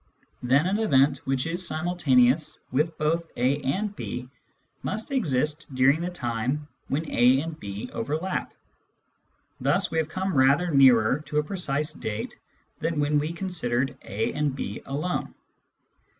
Then an event which is simultaneous with both A and B must exist during the time when A and B overlap ; thus we have come rather nearer to a precise date than when we considered A and B alone.